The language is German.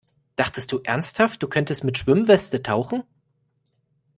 Dachtest du ernsthaft, du könntest mit Schwimmweste tauchen?